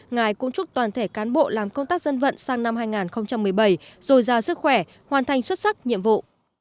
ngài cũng chúc toàn thể cán bộ làm công tác dân vận sang năm hai nghìn một mươi bảy rồi ra sức khỏe hoàn thành xuất sắc nhiệm vụ